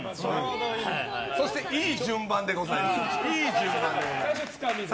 そして、いい順番でございます。